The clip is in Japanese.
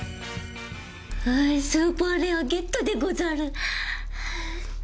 スーパーレアゲットでござる！